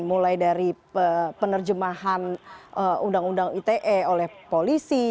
mulai dari penerjemahan undang undang ite oleh polisi